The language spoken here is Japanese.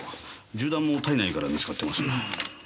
銃弾も体内から見つかってます。